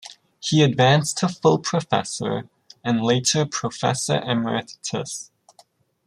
He advanced to full professor, and later professor emeritus.